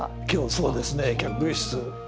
そうですね客室。